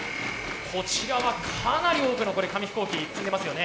こちらはかなり多くの紙飛行機積んでますよね。